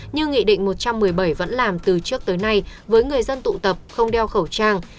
như nghị định một trăm một mươi bảy vẫn làm từ trước tới nay với người dân tụ tập không đeo khẩu trang